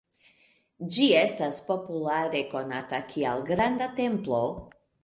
Ĝi estas populare konata kiel "granda templo".